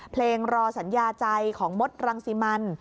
รอสัญญาใจของมดรังสิมัน